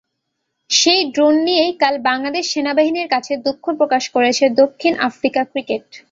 সেই ড্রোন নিয়েই কাল বাংলাদেশ সেনাবাহিনীর কাছে দুঃখ প্রকাশ করেছে দক্ষিণ আফ্রিকা ক্রিকেট।